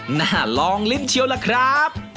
หน้าลองริมเชียวแหละครับ